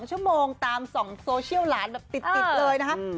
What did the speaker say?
๑๒ชั่วโมงตาม๒โซเชียลหลานติดเลยนะครับ